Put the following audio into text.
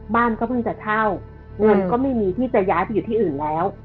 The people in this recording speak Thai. บ้านก็เพิ่งจะเช่าเงินก็ไม่มีที่จะย้ายไปอยู่ที่อื่นแล้ว